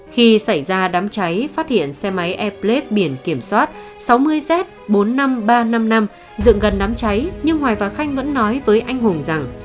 khi xảy ra đám cháy phát hiện xe máy airplete biển kiểm soát sáu mươi z bốn mươi năm nghìn ba trăm năm mươi năm dựng gần đám cháy nhưng hoài và khanh vẫn nói với anh hùng rằng